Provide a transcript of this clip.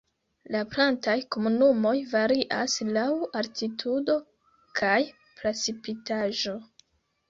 La plantaj komunumoj varias laŭ altitudo kaj precipitaĵo.